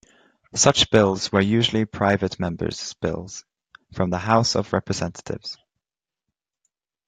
Such bills were usually private member's bills from the House of Representatives.